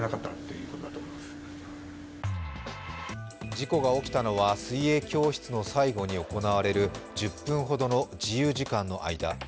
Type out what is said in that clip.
事故が起きたのは水泳教室の最後に行われる１０分ほどの自由時間の間。